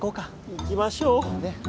行きましょう。ね。